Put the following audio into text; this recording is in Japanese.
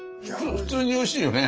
普通においしいよね？